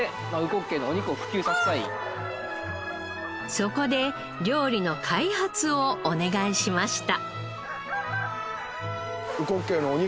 そこで料理の開発をお願いしました。